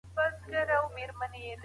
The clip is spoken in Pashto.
ايا زندان د فزيکي زور یوه ښکاره بېلګه ده؟